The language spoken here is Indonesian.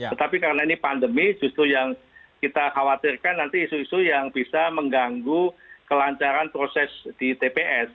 tetapi karena ini pandemi justru yang kita khawatirkan nanti isu isu yang bisa mengganggu kelancaran proses di tps